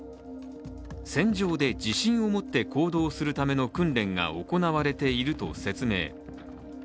戦場で自信を持って行動するための訓練が行われていると説明。